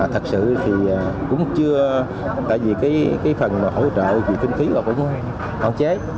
thật sự thì cũng chưa tại vì cái phần hỗ trợ về phương phí là cũng hoàn chế